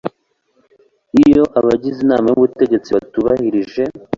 iyo abagize inama y ubutegetsi batubahirije